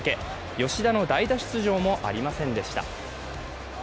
吉田の代打出場もありませんでした。